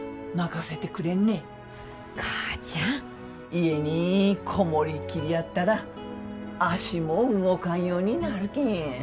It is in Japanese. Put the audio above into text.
家に籠もりきりやったら足も動かんようになるけん。